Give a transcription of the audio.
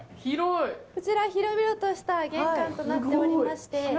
こちら、広々とした玄関になっております。